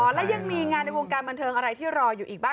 และยังมีงานในวงการบันเทิงอะไรที่รออยู่อีกบ้าง